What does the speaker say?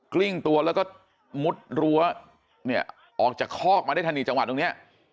ลิ้งตัวแล้วก็มุดรั้วเนี่ยออกจากคอกมาได้ทันทีจังหวะตรงเนี้ย